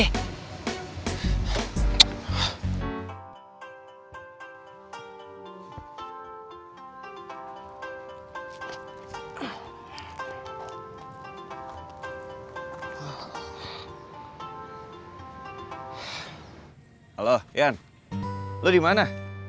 halo ian lo dimana